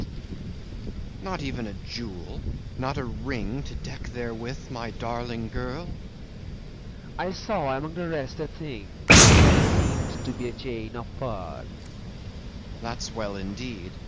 FAUST Not even a jewel, not a ring, To deck therewith my darling girl? MEPHISTOPHELES I saw, among the rest, a thing That seemed to be a chain of pearl. FAUST That's well, indeed!